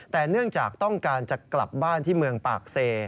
แต่เนื่องจากต้องการจะกลับบ้านที่เมืองปากเซ